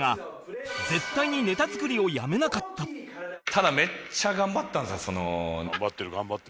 ただめっちゃ頑張ったんですよネタ。